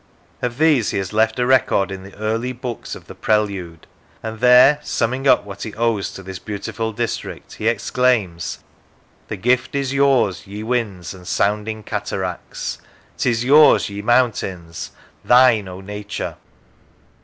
Of these he has left a record in the early Books of the Prelude, and there, summing up what he owes to this beautiful district, he exclaims: " The gift is yours, ye winds and sounding cataracts ! 'tis yours, ye mountains ! thine, O Nature